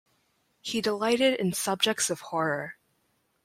He delighted in subjects of horror.